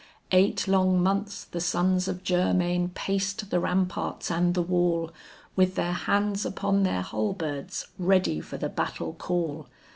Eight long months the sons of Germain paced the ramparts and the wall, With their hands upon their halberds ready for the battle call.